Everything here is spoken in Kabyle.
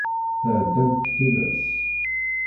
Tɛeddamt tilas.